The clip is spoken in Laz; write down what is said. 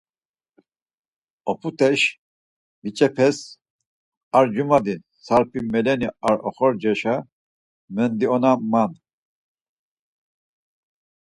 Oput̆eş biç̌epeş ar cumadi Sarp̌i-meleni ar oxorcaşa mendionaman.